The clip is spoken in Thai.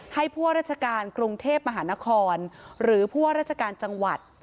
ให้ผู้ราชการกรุงเทพฯมหานครหรือผู้ราชการจังหวัด